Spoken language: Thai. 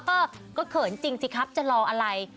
เออก็เขินจริงสิครับจะรออะไร